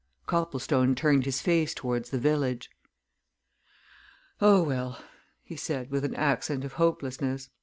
Copplestone turned his face towards the village. "Oh, well," he said, with an accent of hopelessness.